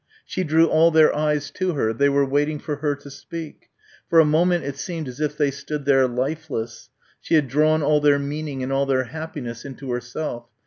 She drew all their eyes to her. They were waiting for her to speak. For a moment it seemed as if they stood there lifeless. She had drawn all their meaning and all their happiness into herself.